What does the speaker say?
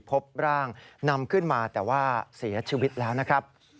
พบร่างนำขึ้นมาแต่ว่าเสียชีวิตแล้วนะครับ